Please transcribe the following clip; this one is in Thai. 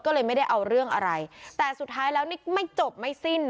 ก็เลยไม่ได้เอาเรื่องอะไรแต่สุดท้ายแล้วนี่ไม่จบไม่สิ้นนะ